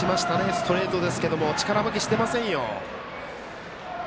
ストレートですけども力負けしてませんよ。